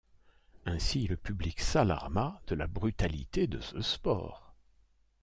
Ainsi le public s'alarma de la brutalité de ce sport.